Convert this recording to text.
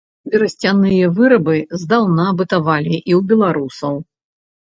Берасцяныя вырабы здаўна бытавалі і ў беларусаў.